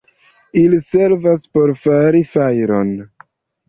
Ili servas por fari fajron.